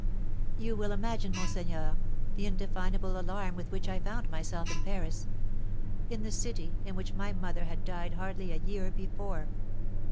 "You will imagine, monseigneur, the indefinable alarm with which I found myself in Paris, in the city in which my mother had died hardly a year before.